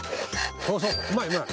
そうそううまいうまい。